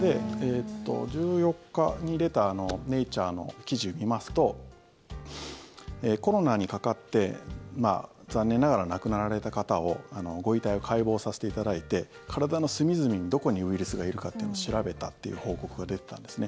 １４日に出た「ネイチャー」の記事を見ますとコロナにかかって残念ながら亡くなられた方をご遺体を解剖させていただいて体の隅々にどこにウイルスがいるかというのを調べたという報告が出てたんですね。